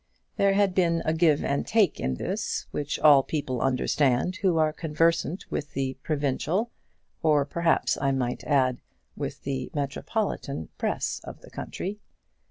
There had been a give and take in this, which all people understand who are conversant with the provincial, or perhaps I might add, with the metropolitan press of the country.